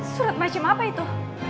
surat macam apa itu